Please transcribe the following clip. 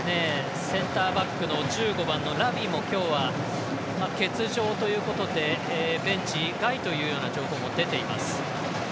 センターバックの１５番も欠場ということでベンチ外という情報も情報も出ています。